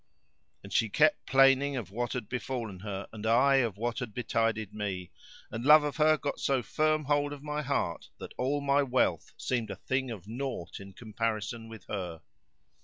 And she kept plaining of what had befallen her and I of what had betided me; and love of her gat so firm hold of my heart that all my wealth seemed a thing of naught in comparison with her.